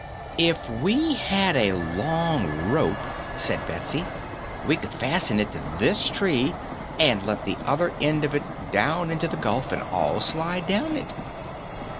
"If we had a long rope," said Betsy, "we could fasten it to this tree and let the other end of it down into the gulf and all slide down it."